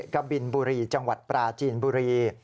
กะบินบุรีจังหวัดปราจีนบุรี